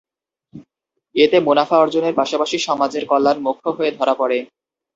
এতে মুনাফা অর্জনের পাশাপাশি সমাজের কল্যাণ মুখ্য হয়ে ধরা পড়ে।